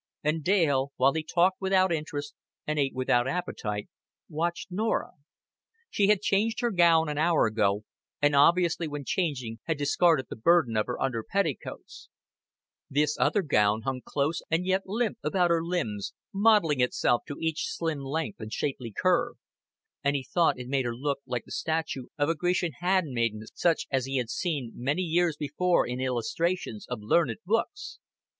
And Dale, while he talked without interest and ate without appetite, watched Norah. She had changed her gown an hour ago, and obviously when changing had discarded the burden of under petticoats; this other gown hung close and yet limp about her limbs, modeling itself to each slim length and shapely curve; and he thought it made her look like the statue of a Grecian hand maiden such as he had seen many years before in illustrations of learned books.